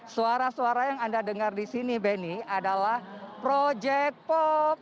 suara suara yang anda dengar di sini benny adalah project pop